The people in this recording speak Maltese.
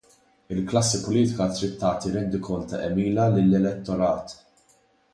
Il-klassi politika trid tagħti rendikont ta' għemilha lill-elettorat.